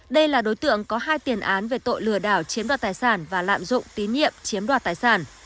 đây là đối tượng có hai tiền án về tội lừa đảo chiếm đoạt tài sản và lạm dụng tín nhiệm chiếm đoạt tài sản